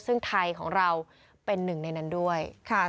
ซึ่งไทยของเราเป็นหนึ่งในนั้นด้วย